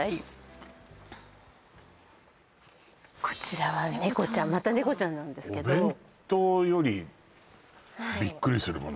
こちらはネコちゃんまたネコちゃんなんですけどお弁当よりビックリするもの？